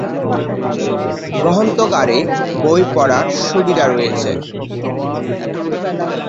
গ্রন্থাগারে বই পড়ার সুবিধা রয়েছে।